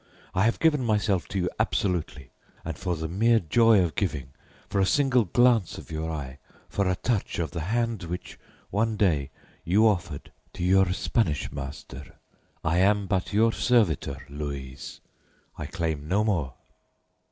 I have given myself to you absolutely and for the mere joy of giving, for a single glance of your eye, for a touch of the hand which one day you offered to your Spanish master. I am but your servitor, Louise; I claim no more.